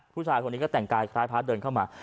ผู้ชายคนนี้ก็แต่งกายคล้ายพระเดินเข้ามา